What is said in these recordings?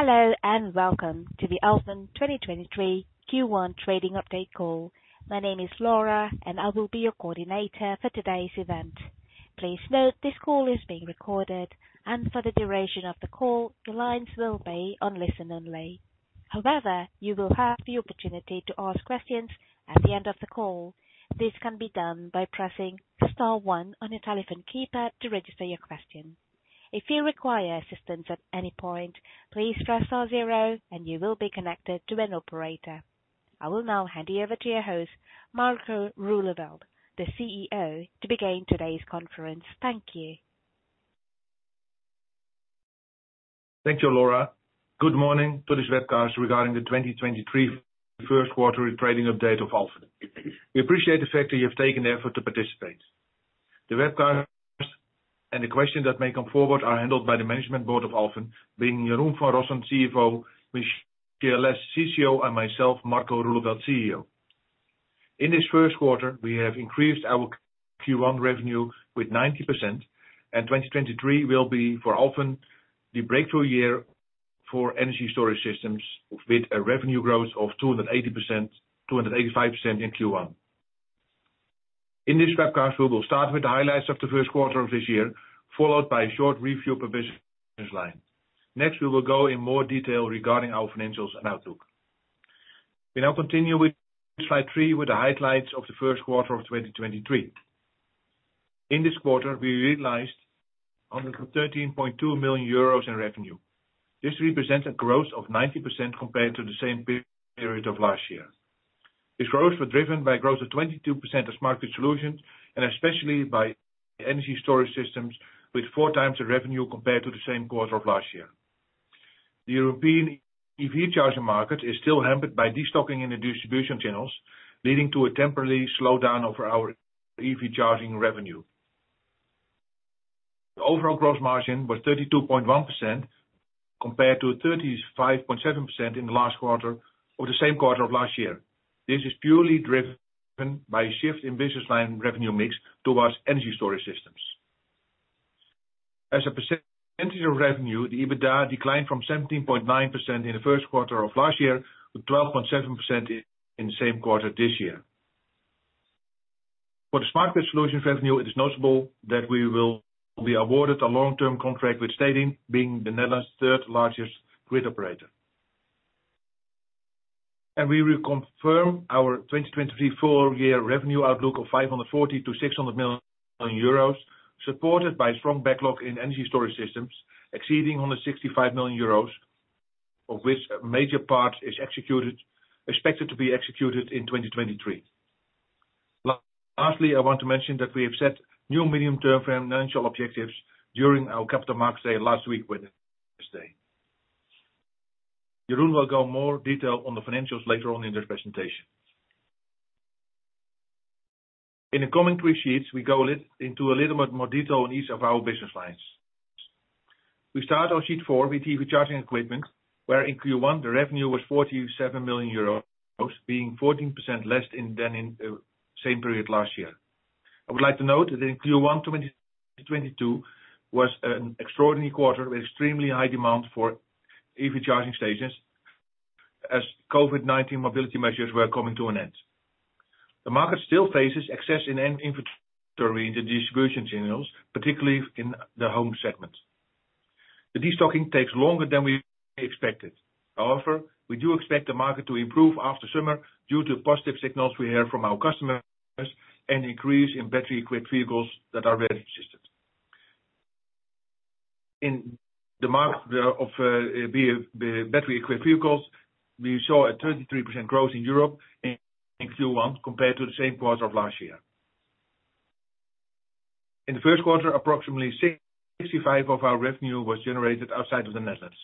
Hello, welcome to the Alfen 2023 Q1 trading update call. My name is Laura and I will be your coordinator for today's event. Please note this call is being recorded and for the duration of the call, your lines will be on listen only. However, you will have the opportunity to ask questions at the end of the call. This can be done by pressing star one on your telephone keypad to register your question. If you require assistance at any point, please press star zero and you will be connected to an operator. I will now hand you over to your host, Marco Roeleveld, the CEO, to begin today's conference. Thank you. Thank you, Laura. Good morning to this webcast regarding the 2023 first quarter trading update of Alfen. We appreciate the fact that you've taken the effort to participate. The webcast and the questions that may come forward are handled by the management board of Alfen, being Jeroen van Rossum, CFO, Michelle Lesh, CCO, and myself, Marco Roeleveld, CEO. In this first quarter, we have increased our Q1 revenue with 90% and 2023 will be for Alfen the breakthrough year for Energy storage systems with a revenue growth of 280%, 285% in Q1. Next, we will go in more detail regarding our financials and outlook. We now continue with slide three with the highlights of the first quarter of 2023. In this quarter, we realized 113.2 million euros in revenue. This represents a growth of 90% compared to the same period of last year. This growth was driven by growth of 22% as market solutions and especially by Energy storage systems with 4x the revenue compared to the same quarter of last year. The European EV charging market is still hampered by destocking in the distribution channels, leading to a temporarily slowdown of our EV charging revenue. The overall gross margin was 32.1% compared to 35.7% in the last quarter or the same quarter of last year. This is purely driven by a shift in business line revenue mix towards Energy storage systems. As a percentage of revenue, the EBITDA declined from 17.9% in the first quarter of last year to 12.7% in the same quarter this year. For the Smart grid solutions revenue, it is notable that we will be awarded a long-term contract with Stedin, being the Netherlands third-largest grid operator. We will confirm our 2023 full year revenue outlook of 540 million-600 million euros, supported by strong backlog in Energy storage systems exceeding 165 million euros, of which a major part is expected to be executed in 2023. Lastly, I want to mention that we have set new medium-term financial objectives during our Capital Markets Day last week, Wednesday. Jeroen will go in more detail on the financials later on in this presentation. In the coming three sheets, we go into a little bit more detail on each of our business lines. We start on sheet four with EV charging equipment, where in Q1 the revenue was 47 million euros, being 14% less than in the same period last year. I would like to note that in Q1 2022 was an extraordinary quarter with extremely high demand for EV charging stations as COVID-19 mobility measures were coming to an end. The market still faces excess in inventory in the distribution channels, particularly in the home segment. The destocking takes longer than we expected. We do expect the market to improve after summer due to positive signals we have from our customers and increase in battery-equipped vehicles that are registered. In the market of battery-equipped vehicles, we saw a 33% growth in Europe in Q1 compared to the same quarter of last year. In the first quarter, approximately 65% of our revenue was generated outside of the Netherlands.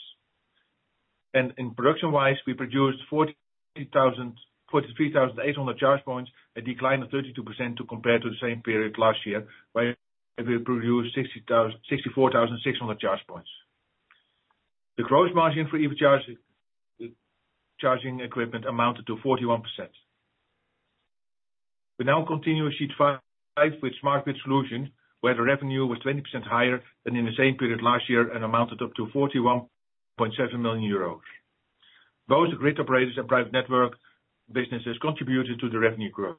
In production-wise, we produced 43,800 charge points, a decline of 32% compared to the same period last year, where we produced 64,600 charge points. The gross margin for EV charging equipment amounted to 41%. We now continue to sheet five with smart grid solution, where the revenue was 20% higher than in the same period last year and amounted up to 41.7 million euros. Both grid operators and private network businesses contributed to the revenue growth.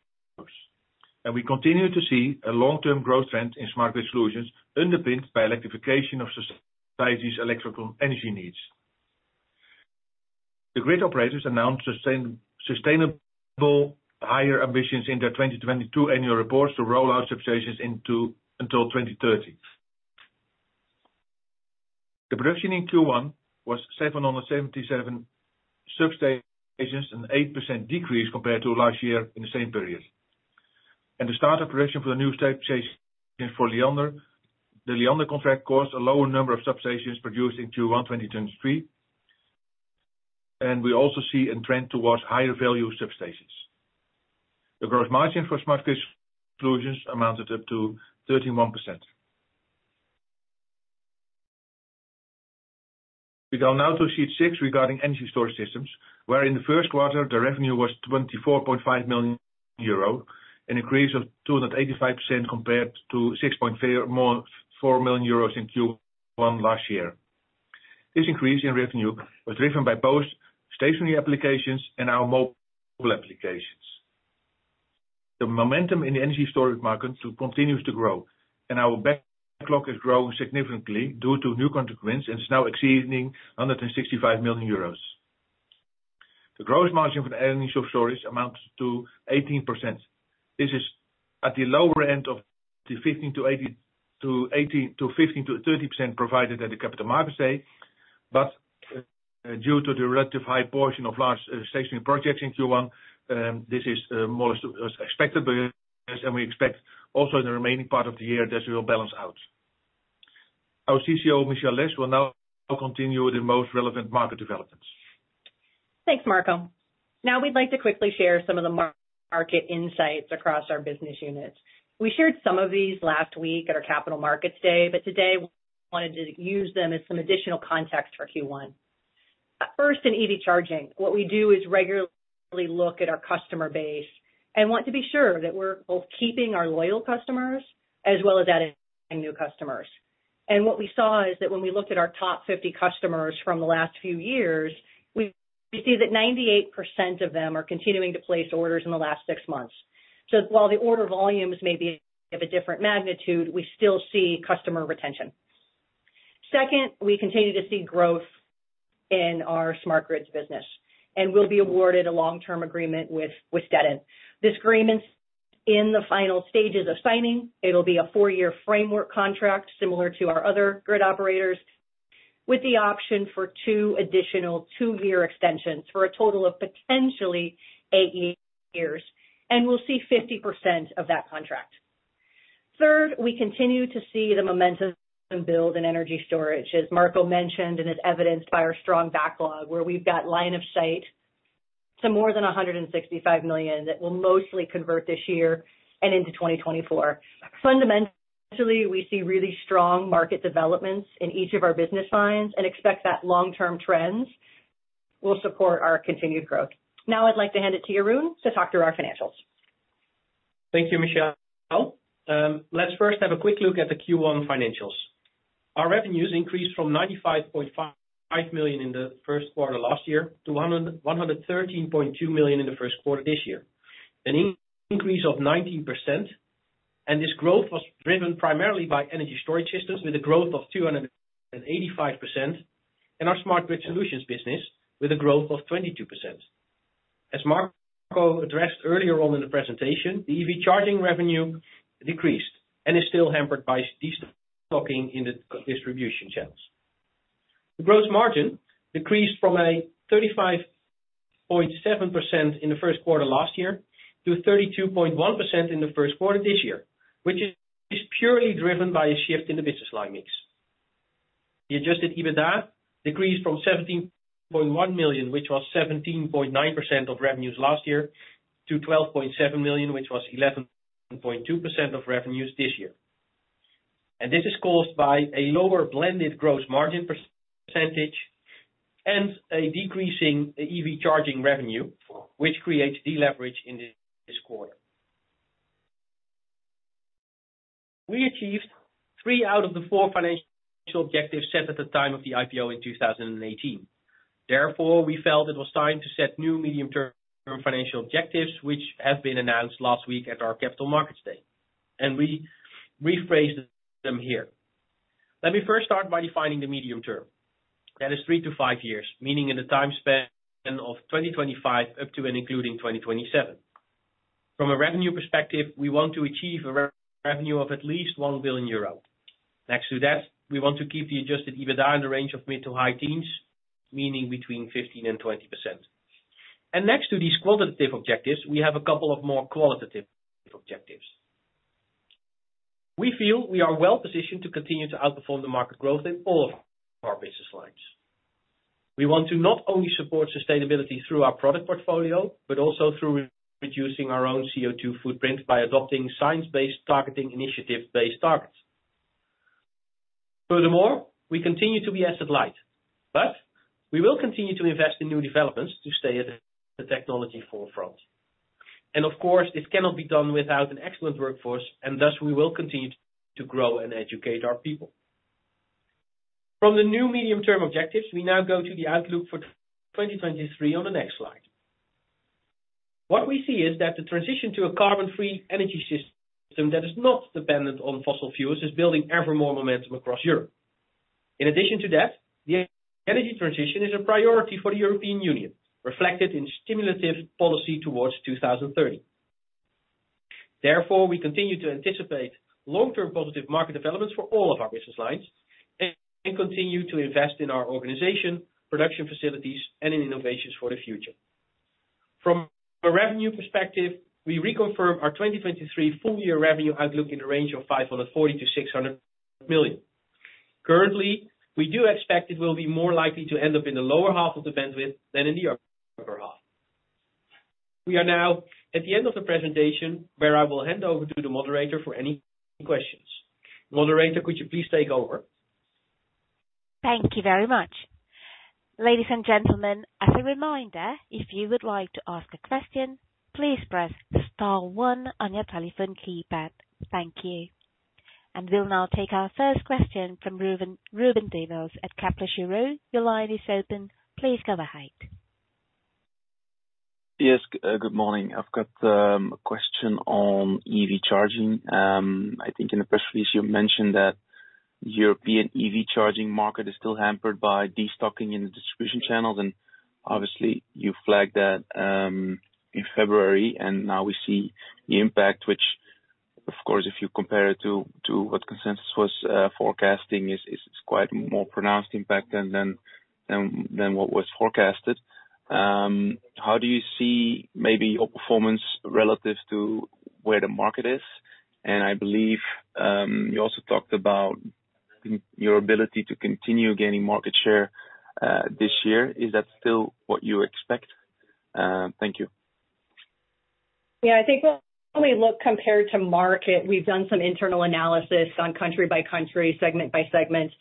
We continue to see a long-term growth trend in Smart grid solutions underpinned by electrification of society's electrical energy needs. The grid operators announced sustainable higher ambitions in their 2022 annual reports to roll out substations into until 2030. The production in Q1 was 777 substations, an 8% decrease compared to last year in the same period. The start of production for the new substation for Liander. The Liander contract caused a lower number of substations produced in Q1 2023, and we also see a trend towards higher value substations. The gross margin for Smart grid solutions amounted up to 31%. We go now to sheet six regarding Energy storage systems, where in the first quarter, the revenue was 24.5 million euro, an increase of 285% compared to 6.4 million euros in Q1 last year. This increase in revenue was driven by both stationary applications and our mobile applications. The momentum in the energy storage market continues to grow, and our backlog is growing significantly due to new commitments, and is now exceeding 165 million euros. The gross margin for the energy storage amounts to 18%. This is at the lower end of the 15%-80%, to 15-30% provided at the Capital Markets Day, but, due to the relative high portion of large stationary projects in Q1, this is, more or less expected, but as, and we expect also in the remaining part of the year, this will balance out. Our CCO, Michelle Lesh, will now continue with the most relevant market developments. Thanks, Marco. We'd like to quickly share some of the market insights across our business units. We shared some of these last week at our Capital Markets Day. Today we wanted to use them as some additional context for Q1. First, in EV charging, what we do is regularly look at our customer base and want to be sure that we're both keeping our loyal customers as well as adding new customers. What we saw is that when we looked at our top 50 customers from the last few years, we see that 98% of them are continuing to place orders in the last six months. While the order volumes may be of a different magnitude, we still see customer retention. Second, we continue to see growth in our smart grids business, and we'll be awarded a long-term agreement with Stedin. This agreement's in the final stages of signing. It'll be a four-year framework contract similar to our other grid operators, with the option for additional two-year extensions for a total of potentially eight years, and we'll see 50% of that contract. Third, we continue to see the momentum build in Energy storage, as Marco mentioned, and is evidenced by our strong backlog, where we've got line of sight to more than 165 million that will mostly convert this year and into 2024. Fundamentally, we see really strong market developments in each of our business lines and expect that long-term trends will support our continued growth. Now I'd like to hand it to Jeroen to talk through our financials. Thank you, Michelle. Let's first have a quick look at the Q1 financials. Our revenues increased from 95.5 million in the first quarter last year to 113.2 million in the first quarter this year. An increase of 19%. This growth was driven primarily by Energy storage systems with a growth of 285% and our Smart grid solutions business with a growth of 22%. As Marco addressed earlier on in the presentation, the EV charging revenue decreased and is still hampered by de-stocking in the distribution channels. The gross margin decreased from 35.7% in the first quarter last year to 32.1% in the first quarter this year, which is purely driven by a shift in the business line mix. The adjusted EBITDA decreased from 17.1 million, which was 17.9% of revenues last year, to 12.7 million, which was 11.2% of revenues this year. This is caused by a lower blended gross margin percentage and a decreasing EV charging revenue, which creates deleverage in this quarter. We achieved three out of the four financial objectives set at the time of the IPO in 2018. We felt it was time to set new medium-term financial objectives, which have been announced last week at our Capital Markets Day, and we rephrase them here. Let me first start by defining the medium term. That is three to five years, meaning in a time span of 2025 up to and including 2027. From a revenue perspective, we want to achieve a revenue of at least 1 billion euro. Next to that, we want to keep the adjusted EBITDA in the range of mid to high teens, meaning between 15% and 20%. Next to these quantitative objectives, we have a couple of more qualitative objectives. We feel we are well-positioned to continue to outperform the market growth in all of our business lines. We want to not only support sustainability through our product portfolio, but also through reducing our own CO2 footprint by adopting Science Based Targets initiative-based targets. We continue to be asset light, but we will continue to invest in new developments to stay at the technology forefront. Of course, this cannot be done without an excellent workforce, and thus we will continue to grow and educate our people. From the new medium-term objectives, we now go to the outlook for 2023 on the next slide. What we see is that the transition to a carbon-free energy system that is not dependent on fossil fuels is building ever more momentum across Europe. In addition to that, the energy transition is a priority for the European Union, reflected in stimulative policy towards 2030. Therefore, we continue to anticipate long-term positive market developments for all of our business lines and continue to invest in our organization, production facilities, and in innovations for the future. From a revenue perspective, we reconfirm our 2023 full-year revenue outlook in a range of 540 million-600 million. Currently, we do expect it will be more likely to end up in the lower half of the bandwidth than in the upper half. We are now at the end of the presentation, where I will hand over to the moderator for any questions. Moderator, could you please take over? Thank you very much. Ladies and gentlemen, as a reminder, if you would like to ask a question, please press star one on your telephone keypad. Thank you. We'll now take our first question from Ruben Devos at Kepler Cheuvreux. Your line is open. Please go ahead. Yes. Good morning. I've got a question on EV charging. I think in the press release you mentioned that European EV charging market is still hampered by destocking in the distribution channels, and obviously you flagged that in February, and now we see the impact, which of course, if you compare it to what consensus was forecasting is quite more pronounced impact than what was forecasted. How do you see maybe your performance relative to where the market is? I believe you also talked about your ability to continue gaining market share this year. Is that still what you expect? Thank you. Yeah. I think when we look compared to market, we've done some internal analysis on country by country, segment by segment.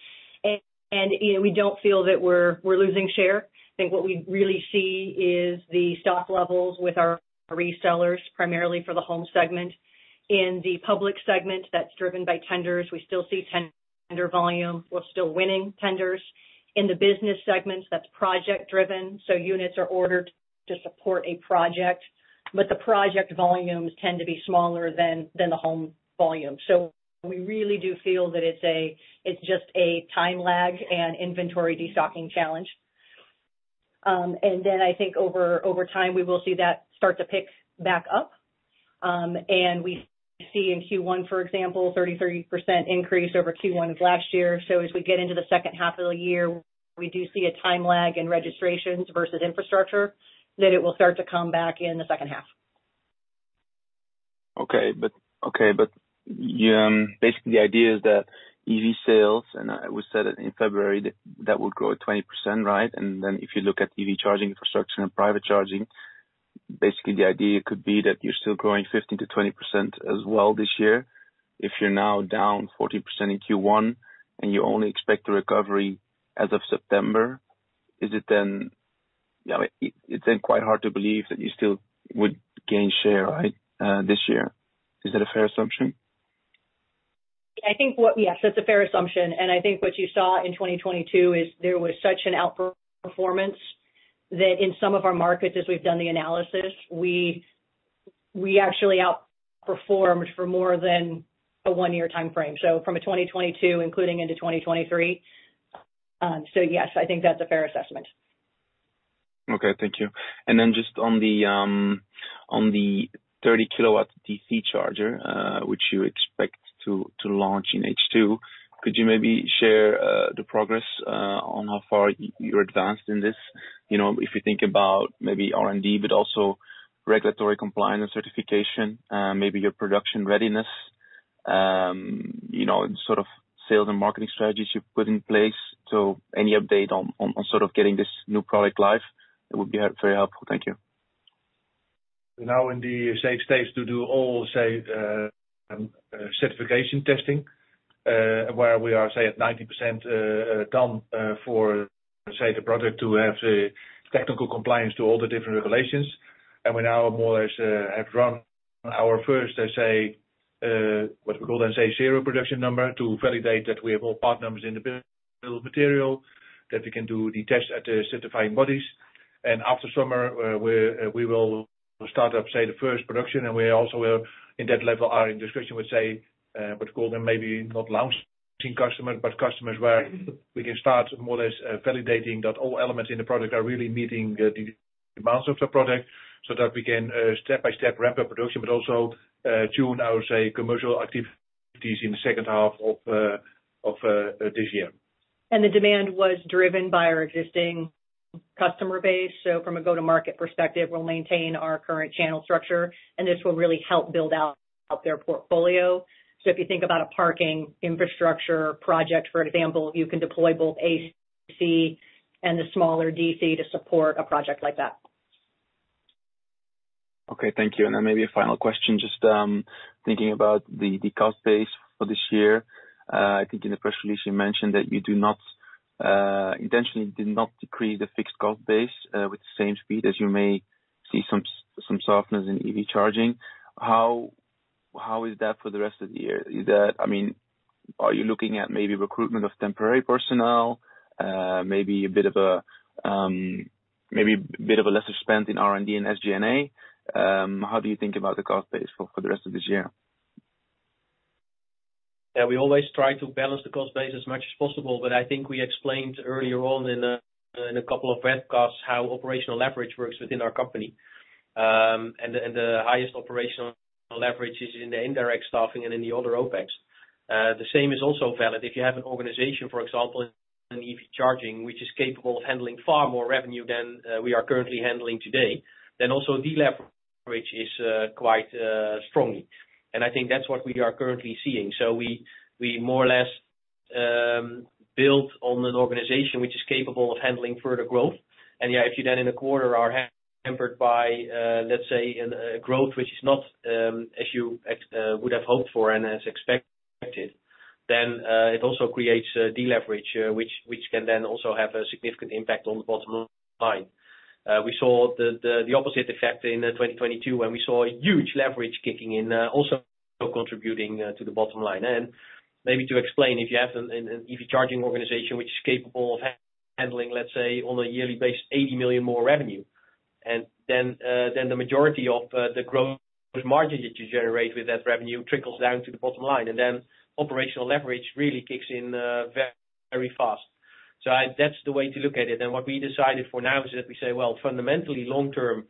You know, we don't feel that we're losing share. I think what we really see is the stock levels with our resellers, primarily for the home segment. In the public segment, that's driven by tenders. We still see tender volume. We're still winning tenders. In the business segments, that's project driven, so units are ordered to support a project, but the project volumes tend to be smaller than the home volume. We really do feel that it's just a time lag and inventory destocking challenge. Then I think over time, we will see that start to pick back up. We see in Q1, for example, 33% increase over Q1 of last year. As we get into the second half of the year, we do see a time lag in registrations versus infrastructure, that it will start to come back in the second half. Okay. Okay, but basically the idea is that EV sales, and we said it in February that would grow at 20%, right? If you look at EV charging infrastructure and private charging, basically the idea could be that you're still growing 15%-20% as well this year. If you're now down 40% in Q1, and you only expect a recovery as of September, is it then, I mean, it's then quite hard to believe that you still would gain share, right, this year? Is that a fair assumption? Yes, that's a fair assumption. I think what you saw in 2022 is there was such an outperformance that in some of our markets, as we've done the analysis, we actually outperformed for more than a one-year timeframe. From a 2022 including into 2023. Yes, I think that's a fair assessment. Okay, thank you. Just on the 30 kW DC charger, which you expect to launch in H2, could you maybe share the progress on how far you're advanced in this? You know, if you think about maybe R&D, but also regulatory compliance and certification, maybe your production readiness, you know, and sort of sales and marketing strategies you've put in place. Any update on sort of getting this new product live, it would be very helpful. Thank you. Now in the safe stage to do all, say, certification testing, where we are, say, at 90%, done, for, say, the product to have the technical compliance to all the different regulations. We now more or less, have run our first, let's say, what we call then, say, serial production number to validate that we have all part numbers in the bill of material, that we can do the test at the certifying bodies. After summer, we will start up, say, the first production. We also will, in that level, are in discussion with, say, what we call them, maybe not launching customers, but customers where we can start more or less, validating that all elements in the product are really meeting the demands of the product, so that we can, step by step ramp up production, but also, tune, I would say, commercial activities in the second half of this year. The demand was driven by our existing customer base. From a go-to-market perspective, we'll maintain our current channel structure, and this will really help build out their portfolio. If you think about a parking infrastructure project, for example, you can deploy both AC and the smaller DC to support a project like that. Okay, thank you. Then maybe a final question, just thinking about the cost base for this year. I think in the press release you mentioned that you do not intentionally did not decrease the fixed cost base with the same speed as you may see some softness in EV charging. How is that for the rest of the year? I mean, are you looking at maybe recruitment of temporary personnel, maybe a bit of a, maybe a bit of a lesser spend in R&D and SG&A? How do you think about the cost base for the rest of this year? We always try to balance the cost base as much as possible, but I think we explained earlier on in a couple of webcasts how operational leverage works within our company. The highest operational leverage is in the indirect staffing and in the other OpEx. The same is also valid. If you have an organization, for example, in EV charging, which is capable of handling far more revenue than we are currently handling today, then also the leverage is quite strong. I think that's what we are currently seeing. We more or less build on an organization which is capable of handling further growth. Yeah, if you then in a quarter are hampered by, let's say, a growth which is not as you would have hoped for and as expected, then it also creates deleverage, which can then also have a significant impact on the bottom line. We saw the opposite effect in 2022, when we saw a huge leverage kicking in, also contributing to the bottom line. Maybe to explain, if you have an EV charging organization which is capable of handling, let's say on a yearly basis, 80 million more revenue, then the majority of the growth margin that you generate with that revenue trickles down to the bottom line. Then operational leverage really kicks in very fast. That's the way to look at it. What we decided for now is that we say, well, fundamentally long term,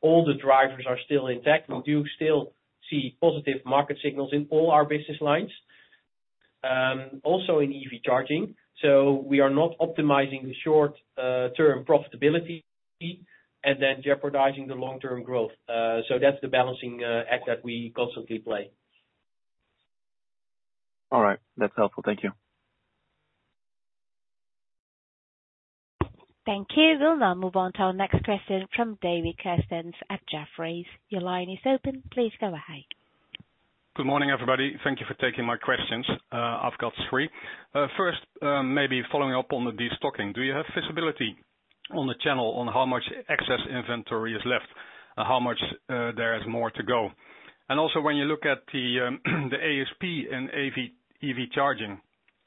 all the drivers are still intact. We do still see positive market signals in all our business lines, also in EV charging. We are not optimizing the short term profitability and then jeopardizing the long term growth. That's the balancing act that we constantly play. All right, that's helpful. Thank you. Thank you. We'll now move on to our next question from David Kerstens at Jefferies. Your line is open. Please go ahead. Good morning, everybody. Thank you for taking my questions. I've got three. First, maybe following up on the destocking, do you have visibility on the channel on how much excess inventory is left and how much there is more to go? Also, when you look at the ASP and EV charging,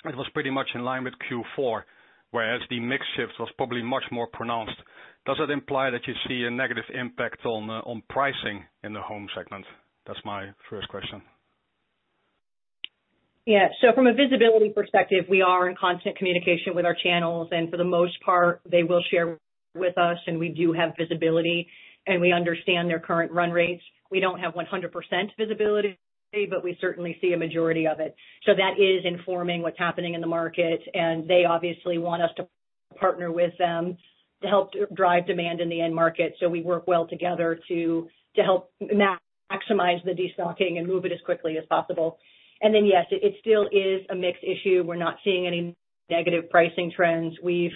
it was pretty much in line with Q4, whereas the mix shift was probably much more pronounced. Does that imply that you see a negative impact on pricing in the home segment? That's my first question. Yeah. From a visibility perspective, we are in constant communication with our channels. For the most part, they will share with us, and we do have visibility, and we understand their current run rates. We don't have 100% visibility, but we certainly see a majority of it. That is informing what's happening in the market. They obviously want us to partner with them to help drive demand in the end market. We work well together to help maximize the destocking and move it as quickly as possible. Yes, it still is a mixed issue. We're not seeing any negative pricing trends. You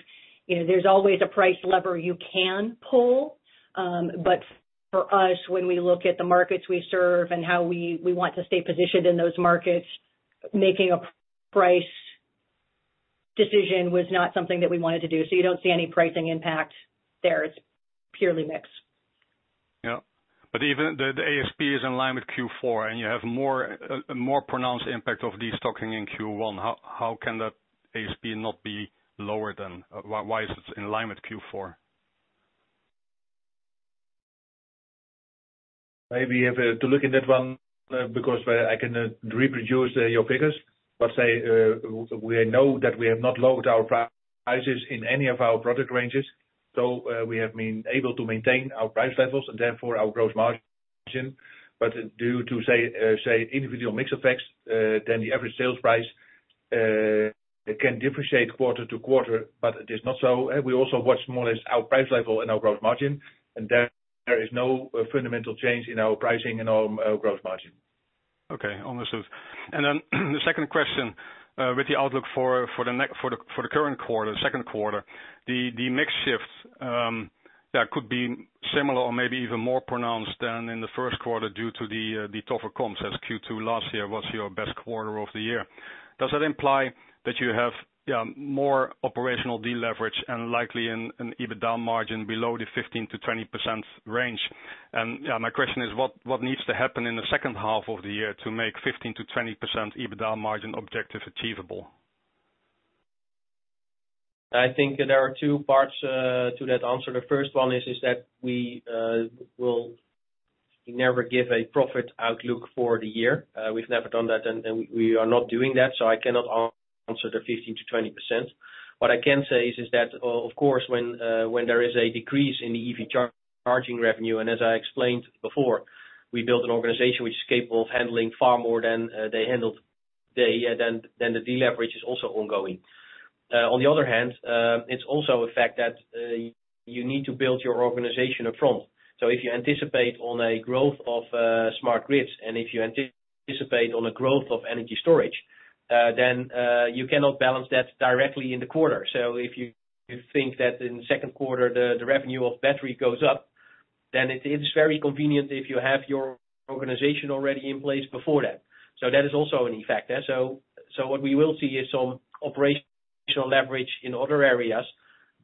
know, there's always a price lever you can pull. For us, when we look at the markets we serve and how we want to stay positioned in those markets, making a price decision was not something that we wanted to do. You don't see any pricing impact there. It's purely mix. Yeah. Even the ASP is in line with Q4, and you have more, a more pronounced impact of destocking in Q1. How can that ASP not be lower than... Why is it in line with Q4? Maybe you have to look in that one, because I can reproduce your figures. Say, we know that we have not lowered our prices in any of our product ranges, so, we have been able to maintain our price levels and therefore our gross margin. Due to, say, individual mix effects, then the average sales price can differentiate quarter to quarter, but it is not so. We also watch more or less our price level and our growth margin. There is no fundamental change in our pricing and our growth margin. Okay, understood. The second question, with the outlook for the current quarter, second quarter, the mix shift, that could be similar or maybe even more pronounced than in the first quarter due to the tougher comps as Q2 last year was your best quarter of the year. Does that imply that you have more operational deleverage and likely an EBITDA margin below the 15%-20% range? My question is what needs to happen in the second half of the year to make 15%-20% EBITDA margin objective achievable? I think there are two parts to that answer. The first one is that we will never give a profit outlook for the year. We've never done that, and we are not doing that, so I cannot answer the 15%-20%. What I can say is that, of course, when there is a decrease in the EV charging revenue, and as I explained before, we built an organization which is capable of handling far more than they handled than the deleverage is also ongoing. On the other hand, it's also a fact that you need to build your organization upfront. If you anticipate on a growth of smart grids, and if you anticipate on a growth of energy storage, then you cannot balance that directly in the quarter. If you think that in the second quarter the revenue of battery goes up, then it's very convenient if you have your organization already in place before that. That is also an effect. What we will see is some operational leverage in other areas.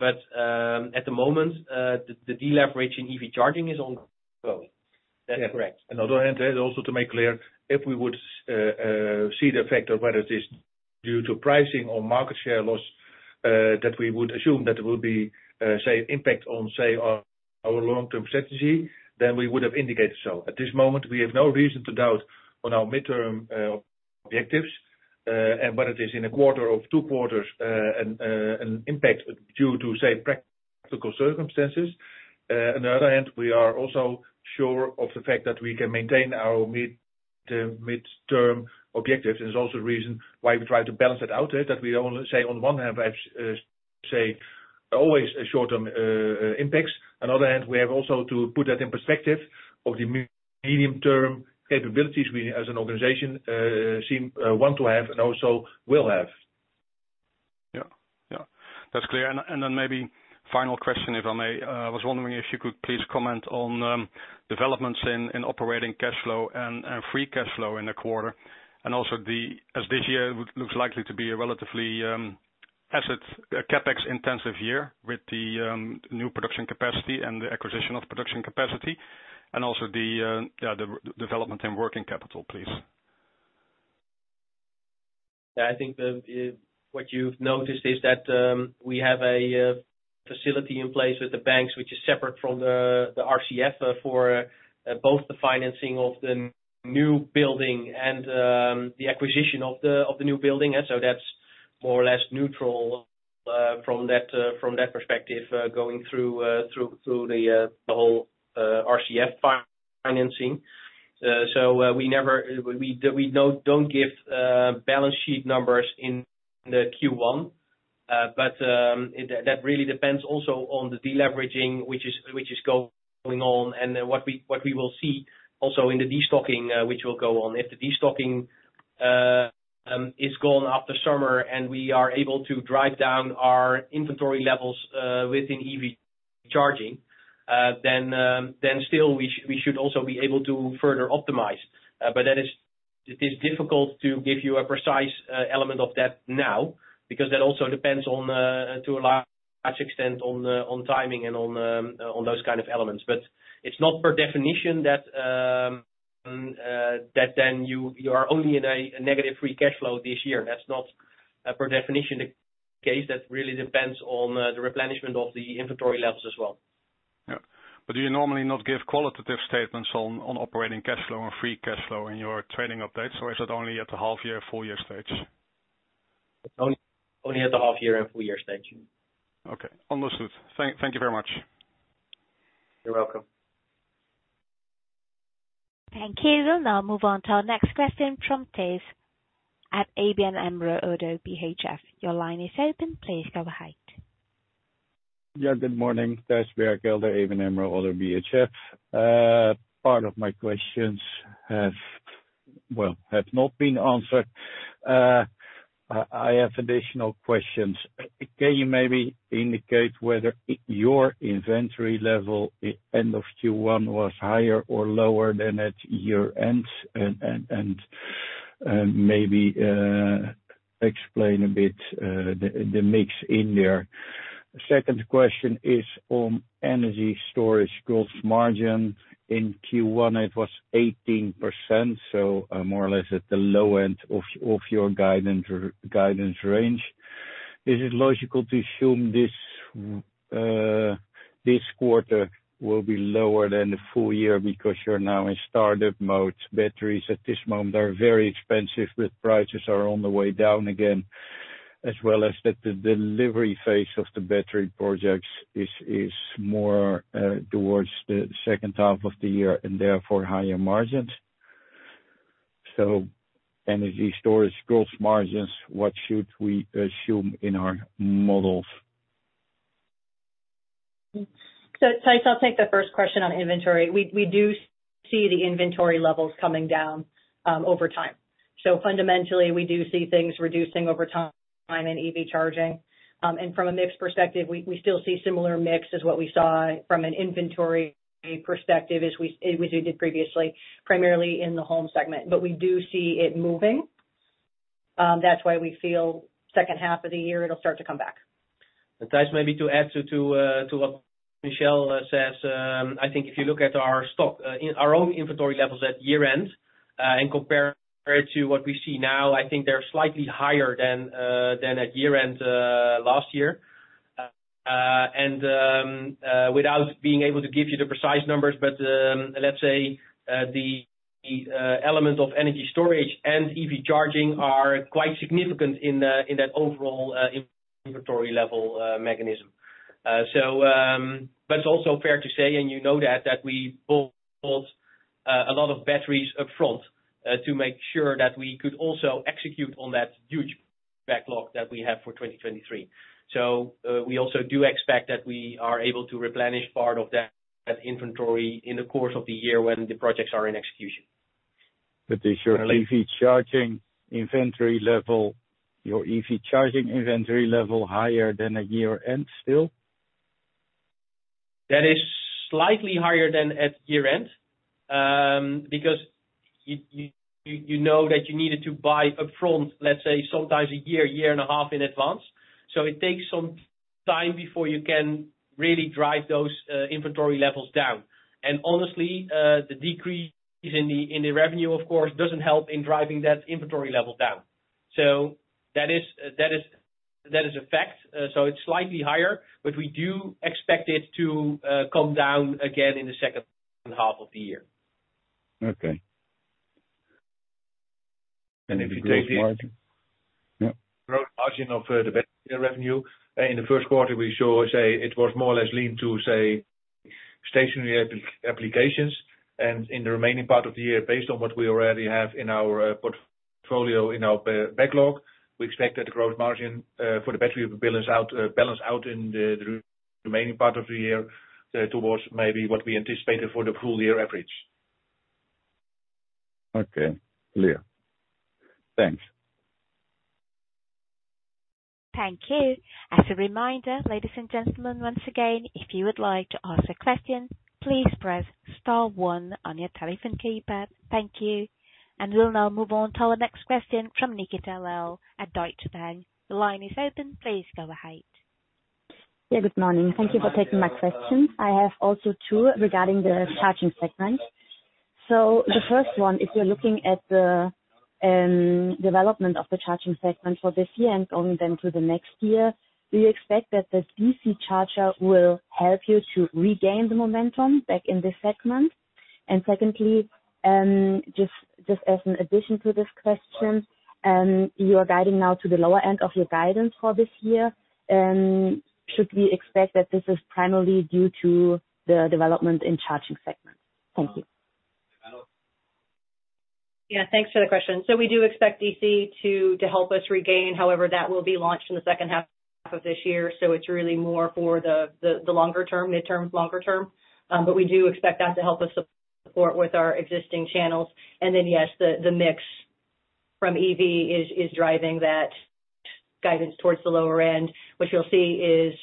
At the moment, the deleverage in EV charging is ongoing. That's correct. On the other hand, also to make clear, if we would see the effect of whether it is due to pricing or market share loss, that we would assume that it will be impact on our long term strategy, then we would have indicated so. At this moment, we have no reason to doubt on our midterm objectives, and whether it is in a quarter of two quarters, an impact due to practical circumstances. On the other hand, we are also sure of the fact that we can maintain our mid-term objectives. It's also a reason why we try to balance it out, that we only say on one hand. Say always a short term impacts. On other hand, we have also to put that in perspective of the medium term capabilities we as an organization, seem want to have and also will have. Yeah. Yeah, that's clear. Then maybe final question, if I may. I was wondering if you could please comment on developments in operating cash flow and free cash flow in the quarter, and also as this year looks likely to be a relatively asset CapEx intensive year with the new production capacity and the acquisition of production capacity, and also the development and working capital, please. Yeah, I think what you've noticed is that we have a facility in place with the banks, which is separate from the RCF for both the financing of the new building and the acquisition of the new building. That's more or less neutral from that perspective, going through the whole RCF financing. We don't give balance sheet numbers in the Q1. That really depends also on the deleveraging which is going on, and then what we will see also in the destocking which will go on. If the destocking is gone after summer and we are able to drive down our inventory levels within EV charging, then still we should also be able to further optimize. It is difficult to give you a precise element of that now because that also depends on to a large extent on timing and on those kind of elements. It's not per definition that then you are only in a negative free cash flow this year. That's not per definition the case. That really depends on the replenishment of the inventory levels as well. Yeah. Do you normally not give qualitative statements on operating cash flow and free cash flow in your trading updates, or is it only at the half year, full year stage? It's only at the half year and full year stage. Okay. Understood. Thank you very much. You're welcome. Thank you. We'll now move on to our next question from Thijs at ABN AMRO - ODDO BHF. Your line is open. Please go ahead. Good morning. Thijs Berkelder, ABN AMRO - ODDO BHF. Part of my questions have, well, have not been answered. I have additional questions. Can you maybe indicate whether your inventory level end of Q1 was higher or lower than at year-end, and maybe explain a bit the mix in there. Second question is on energy storage gross margin. In Q1, it was 18%, more or less at the low end of your guidance range. Is it logical to assume this quarter will be lower than the full year because you're now in startup mode? Batteries at this moment are very expensive, but prices are on the way down again, as well as that the delivery phase of the battery projects is more towards the second half of the year and therefore higher margins. Energy storage gross margins, what should we assume in our models? Thijs, I'll take the first question on inventory. We do see the inventory levels coming down over time. Fundamentally, we do see things reducing over time in EV charging. From a mix perspective, we still see similar mix as what we saw from an inventory perspective as we did previously, primarily in the home segment. We do see it moving. That's why we feel second half of the year it'll start to come back. Thijs, maybe to add to what Michelle says, I think if you look at our stock, in our own inventory levels at year-end, and compare it to what we see now, I think they're slightly higher than than at year-end, last year. Without being able to give you the precise numbers, but, let's say, the elements of energy storage and EV charging are quite significant in that overall, inventory level, mechanism. It's also fair to say, and you know that we bought a lot of batteries up front, to make sure that we could also execute on that huge backlog that we have for 2023. We also do expect that we are able to replenish part of that inventory in the course of the year when the projects are in execution. Is your EV charging inventory level higher than at year-end still? That is slightly higher than at year-end, because you know that you needed to buy upfront, let's say sometimes a year, one and a half in advance. It takes some time before you can really drive those inventory levels down. Honestly, the decrease in the revenue, of course, doesn't help in driving that inventory level down. That is a fact. It's slightly higher, but we do expect it to come down again in the second half of the year. Okay. If you take. Gross margin. Yeah. Gross margin of the battery revenue, in the first quarter we saw, it was more or less linked to Stationary app-applications, and in the remaining part of the year, based on what we already have in our portfolio, in our backlog, we expect that the gross margin for the battery will balance out in the remaining part of the year, towards maybe what we anticipated for the full year average. Okay. Clear. Thanks. Thank you. As a reminder, ladies and gentlemen, once again, if you would like to ask a question, please press star one on your telephone keypad. Thank you. We'll now move on to our next question from Nikita Lal at Deutsche Bank. The line is open. Please go ahead. Yeah, good morning. Thank you for taking my question. I have also two regarding the charging segment. The first one, if you're looking at the development of the charging segment for this year and going then to the next year, do you expect that the DC charger will help you to regain the momentum back in this segment? Secondly, just as an addition to this question, you are guiding now to the lower end of your guidance for this year. Should we expect that this is primarily due to the development in charging segment? Thank you. Yeah, thanks for the question. We do expect DC to help us regain. However, that will be launched in the second half of this year, so it's really more for the longer term, midterm, longer term. We do expect that to help us support with our existing channels. Yes, the mix from EV is driving that guidance towards the lower end. What you'll see is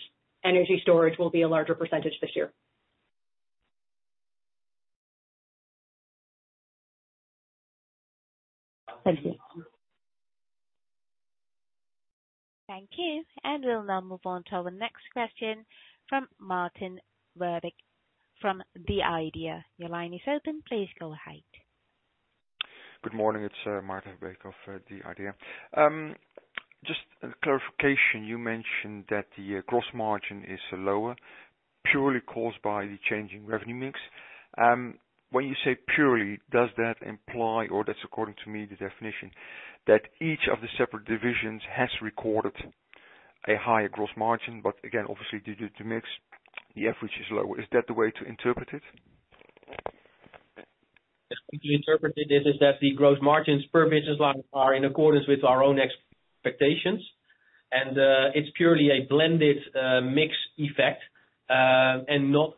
energy storage will be a larger percentage this year. Thank you. Thank you. We'll now move on to the next question from Maarten Verbeek from The IDEA!. Your line is open. Please go ahead. Good morning. It's Maarten Verbeek of The IDEA!. Just a clarification, you mentioned that the gross margin is lower, purely caused by the change in revenue mix. When you say purely, does that imply, or that's according to me the definition, that each of the separate divisions has recorded a higher gross margin, but again, obviously, due to the mix, the average is lower. Is that the way to interpret it? As we interpreted it, is that the gross margins per business line are in accordance with our own expectations, and it's purely a blended mix effect, and not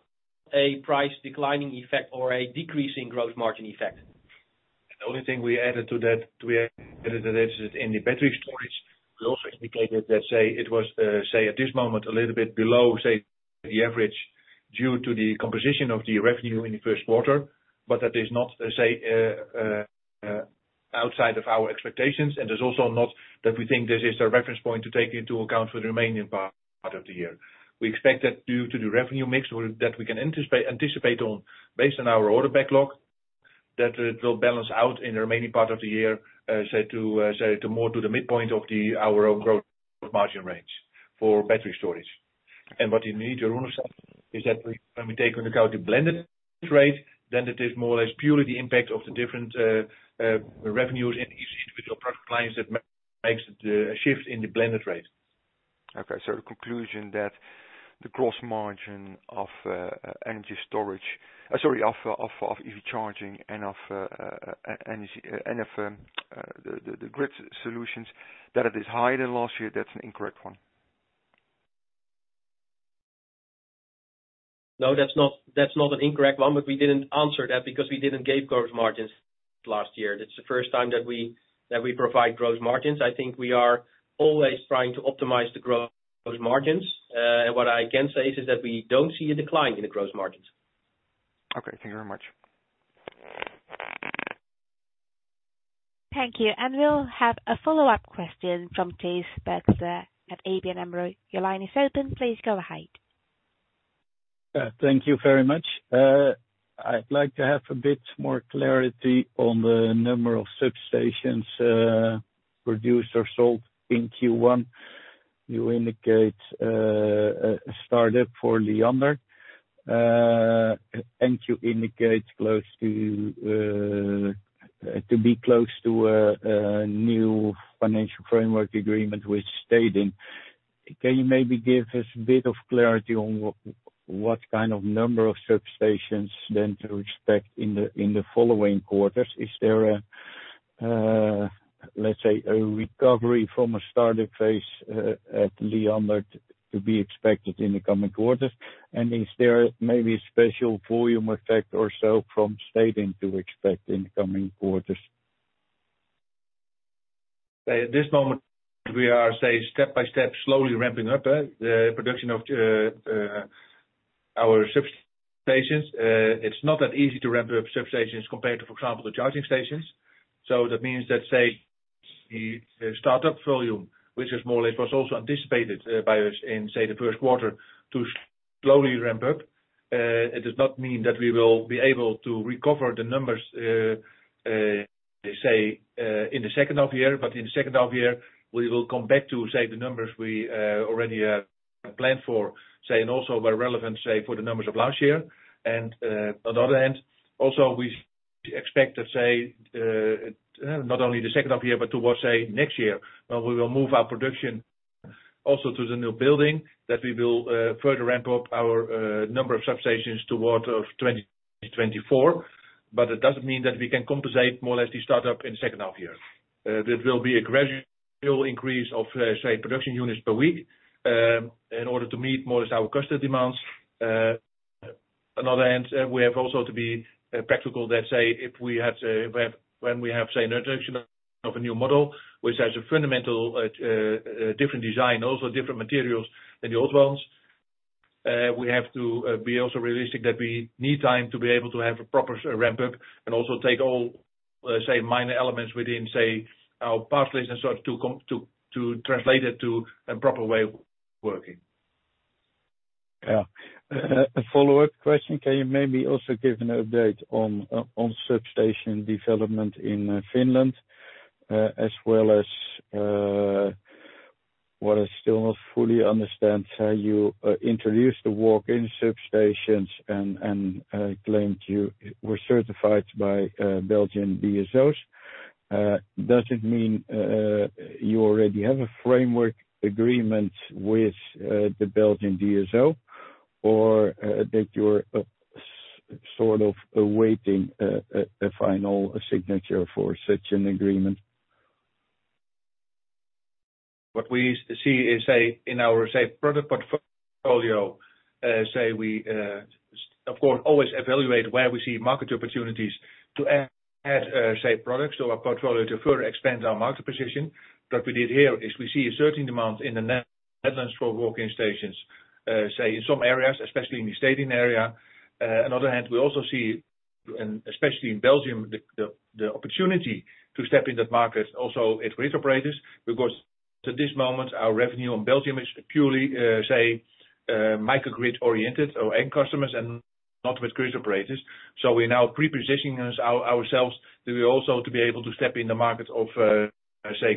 a price declining effect or a decreasing gross margin effect. The only thing we added to that, we added that is in the battery storage, we also indicated, let's say it was at this moment, a little bit below the average due to the composition of the revenue in the first quarter, but that is not, let's say, outside of our expectations. It's also not that we think this is a reference point to take into account for the remaining part of the year. We expect that due to the revenue mix that we can anticipate on, based on our order backlog, that it'll balance out in the remaining part of the year, say to more to the midpoint of the, our own growth margin range for battery storage. What you need to understand is that when we take into account the blended rate, then it is more or less purely the impact of the different, revenues in each individual product lines that makes the shift in the blended rate. The conclusion that the gross margin of Energy storage... Sorry, of EV charging and of energy, and of the Grid solutions, that it is higher than last year, that's an incorrect one. No, that's not an incorrect one. We didn't answer that because we didn't give gross margins last year. That's the first time that we provide gross margins. I think we are always trying to optimize the gross margins. What I can say is that we don't see a decline in the gross margins. Okay, thank you very much. Thank you. We'll have a follow-up question from Thijs Berkelder at ABN AMRO. Your line is open. Please go ahead. Thank you very much. I'd like to have a bit more clarity on the number of substations produced or sold in Q1. You indicate a startup for Liander. You indicate close to be close to a new financial framework agreement with Stedin. Can you maybe give us a bit of clarity on what kind of number of substations then to expect in the following quarters? Is there a, let's say, a recovery from a startup phase at Liander to be expected in the coming quarters? Is there maybe a special volume effect or so from Stedin to expect in the coming quarters? At this moment, we are, say, step by step, slowly ramping up the production of our substations. It's not that easy to ramp up substations compared to, for example, the charging stations. That means that, say, the startup volume, which is more or less was also anticipated by us in, say, the first quarter to slowly ramp up. It does not mean that we will be able to recover the numbers, say, in the second half year, but in the second half year, we will come back to, say, the numbers we already have planned for, say, and also were relevant, say, for the numbers of last year. On the other hand, also, we expect to say, not only the second half year, but towards, say, next year, we will move our productionAlso through the new building that we will further ramp up our number of substations toward of 2024. It doesn't mean that we can compensate more or less the start-up in the second half year. There will be a gradual increase of, say, production units per week, in order to meet more or less our customer demands. Another end, we have also to be practical. Let's say if we had to... When we have, say, introduction of a new model which has a fundamental different design, also different materials than the old ones, we have to be also realistic that we need time to be able to have a proper sort of ramp up. Also take all, say, minor elements within, say, our pathways and so to translate it to a proper way of working. A follow-up question. Can you maybe also give an update on substation development in Finland? As well as what I still not fully understand how you introduced the walk-in substations and claimed you were certified by Belgian DSO. Does it mean you already have a framework agreement with the Belgian DSO or that you're sort of awaiting a final signature for such an agreement. What we see is in our product portfolio, we of course always evaluate where we see market opportunities to add products to our portfolio to further expand our market position. What we did here is we see a certain demand in the Netherlands for walk-in substations in some areas, especially in the stadium area. On other hand, we also see, and especially in Belgium, the opportunity to step in that market also with grid operators, because to this moment, our revenue on Belgium is purely microgrid-oriented our end customers and not with grid operators. We're now prepositioning ourselves to be able to step in the market of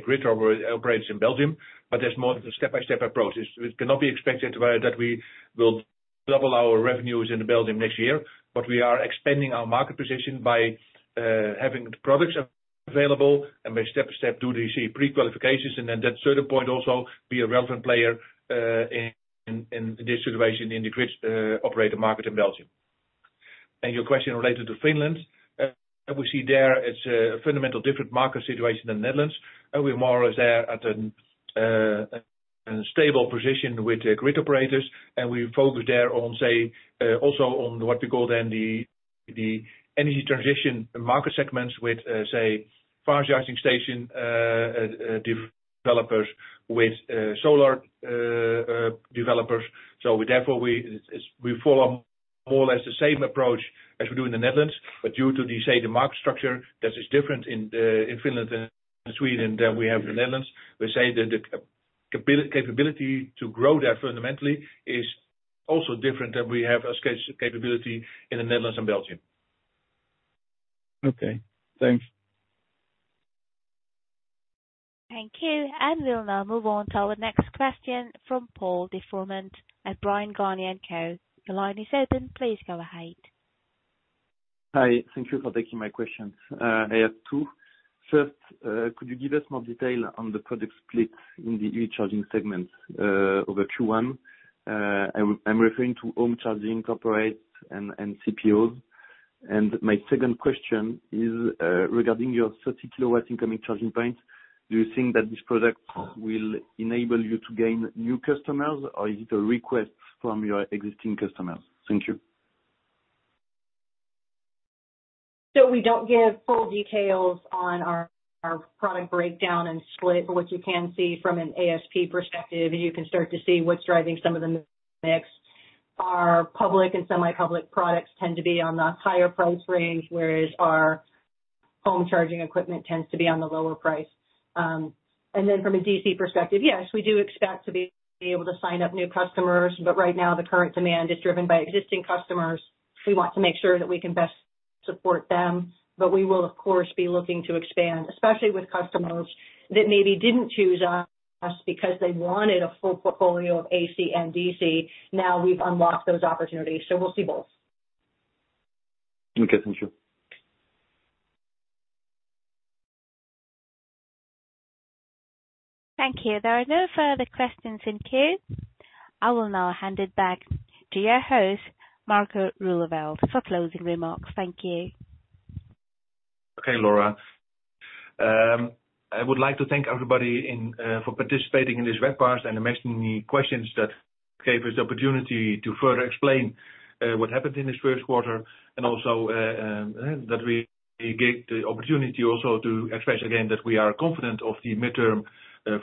grid operators in Belgium. That's more of a step-by-step approach. It cannot be expected, right, that we will double our revenues in Belgium next year. We are expanding our market position by having the products available and by step-step do the, say, pre-qualifications and then at certain point also be a relevant player in this situation in the grid operator market in Belgium. Your question related to Finland, we see there it's a fundamental different market situation than Netherlands. We're more or less there at a stable position with the grid operators, and we focus there on, say, also on what we call then the energy transition market segments with, say, fast charging station developers with solar developers. Therefore, we follow more or less the same approach as we do in the Netherlands, but due to the, say, the market structure that is different in Finland than Sweden than we have the Netherlands. We say that the capability to grow there fundamentally is also different than we have a scale capability in the Netherlands and Belgium. Okay. Thanks. Thank you. We'll now move on to our next question from Paul de Froment at Bryan, Garnier & Co. The line is open. Please go ahead. Hi. Thank you for taking my question. I have two. First, could you give us more detail on the product split in the e-charging segment, over Q1? I'm referring to home charging, corporate, and CPOs. My second question is, regarding your 30 kW incoming charging point, do you think that this product will enable you to gain new customers or is it a request from your existing customers? Thank you. We don't give full details on our product breakdown and split. What you can see from an ASP perspective, you can start to see what's driving some of the mix. Our public and semi-public products tend to be on the higher price range, whereas our home charging equipment tends to be on the lower price. From a DC perspective, yes, we do expect to be able to sign up new customers, but right now the current demand is driven by existing customers. We want to make sure that we can best support them. We will, of course, be looking to expand, especially with customers that maybe didn't choose us because they wanted a full portfolio of AC and DC. Now we've unlocked those opportunities. We'll see both. Okay. Thank you. Thank you. There are no further questions in queue. I will now hand it back to your host, Marco Roeleveld, for closing remarks. Thank you. Okay, Laura. I would like to thank everybody in for participating in this webcast and asking me questions that gave us the opportunity to further explain what happened in this first quarter and also that we get the opportunity also to express again that we are confident of the midterm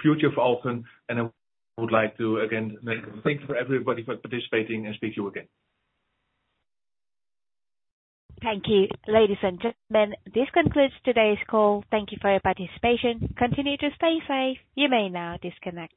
future for Alfen. I would like to again thank for everybody for participating and speak to you again. Thank you. Ladies and gentlemen, this concludes today's call. Thank you for your participation. Continue to stay safe. You may now disconnect.